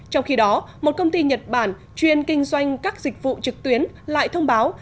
trong khi đó một công ty nhật bản chuyên kinh doanh các dịch vụ trực tuyến lại thông báo